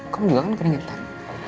kamu juga kan keringetan